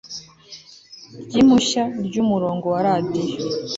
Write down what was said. ry impushya ry umurongo wa radiyo